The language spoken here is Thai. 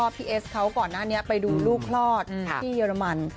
พี่เอสเขาก่อนหน้านี้ไปดูลูกคลอดที่เยอรมัน